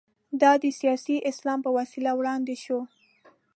دا د سیاسي اسلام په وسیله وړاندې شو.